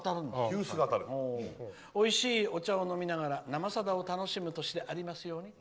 「おいしいお茶を飲みながら「生さだ」を楽しむ年でありますように」。